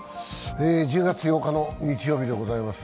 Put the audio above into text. １０月８日の日曜日でございます。